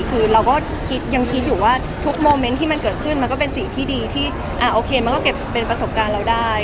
คือเราก็คิดยังคิดอยู่ว่าทุกโมเมนต์ที่มันเกิดขึ้นมันก็เป็นสิ่งที่ดีที่โอเคมันก็เก็บเป็นประสบการณ์เราได้